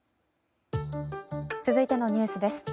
続いてのニュースです。